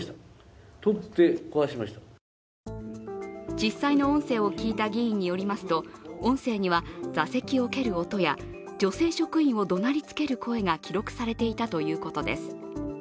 実際の音声を聞いた議員によりますと音声には座席を蹴る音や女性職員を怒鳴りつける声が記録されていたということです。